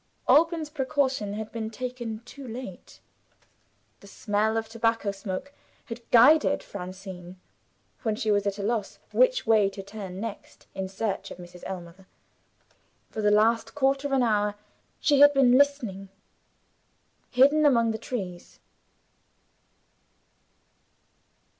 Alban's precaution had been taken too late. The smell of tobacco smoke had guided Francine, when she was at a loss which way to turn next in search of Mrs. Ellmother. For the last quarter of an hour she had been listening, hidden among the trees.